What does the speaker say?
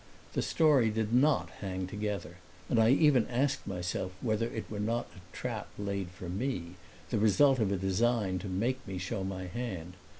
The story did not hang together, and I even asked myself whether it were not a trap laid for me, the result of a design to make me show my hand.